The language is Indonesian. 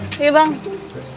sampai jumpa lagi